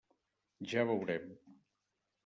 Ja veurem.